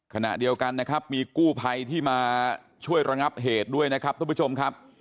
ขณะเดียวกันนะครับมีกู้ภัยที่มาช่วยระงับเหตุด้วยนะครับทุกผู้ชมครับ